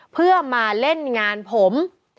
เพื่อมาเล่นงานผม